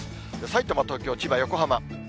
さいたま、東京、千葉、横浜。